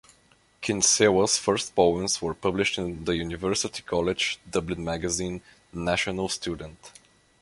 Kinsella's first poems were published in the University College Dublin magazine "National Student".